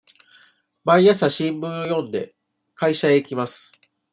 毎朝新聞を読んで、会社へ行きます。